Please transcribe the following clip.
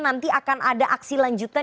nanti akan ada aksi lanjutan